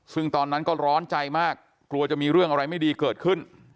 ซึ่งตอนนั้นก็ร้อนใจมากกลัวจะมีเรื่องอะไรไม่ดีเกิดขึ้น